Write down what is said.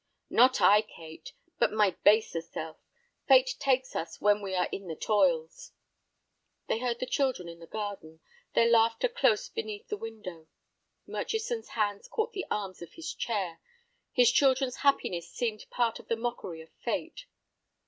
"Not I, Kate, but my baser self. Fate takes us when we are in the toils." They heard the children in the garden, their laughter close beneath the window. Murchison's hands caught the arms of his chair. His children's happiness seemed part of the mockery of fate.